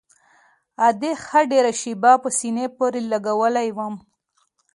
ادې ښه ډېره شېبه په سينې پورې لګولى وم.